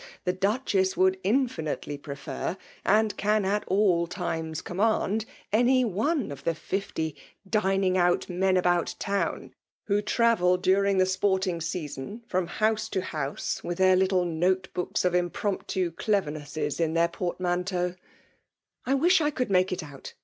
The Duchess would infinitely prefer, and can at all times command, any one of the fifty dining out men about town, who travel, during the sporting season, from house to house, with their little note books of impromptu clevernesses in their portmanteaux I wish I could make it out